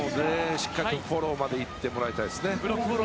しっかりとフォローまでいってもらいたいですね。